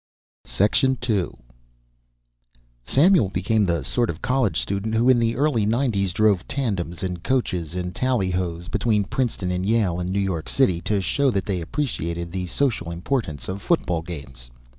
II Samuel became the sort of college student who in the early nineties drove tandems and coaches and tallyhos between Princeton and Yale and New York City to show that they appreciated the social importance of football games.